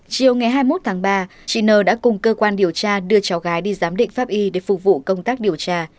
chiều ngày hai mươi một tháng ba chị nờ đã cùng cơ quan điều tra đưa cháu gái đi giám định pháp y để phục vụ công tác điều tra